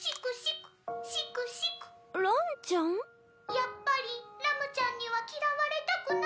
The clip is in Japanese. やっぱりラムちゃんには嫌われたくない。